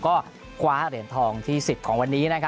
ก็คว้าเหรียญทองที่๑๐ของวันนี้นะครับ